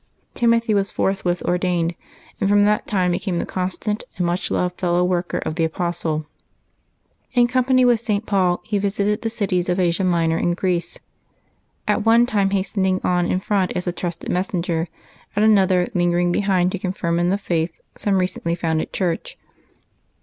Timothy was forthwith ordained, and from that time became the constant and much beloved fellow worker of the Apostle. In company with St. Paul he visited the cities of Asia Minor and Greece — at one time hastening on in front as a trusted messenger, at another lingering behind to confirm in the faith some recently founded church.